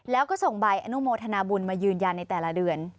แล้วก็ส่งใบอนุโมทนาบุญมายืนยันในแต่ละเดือน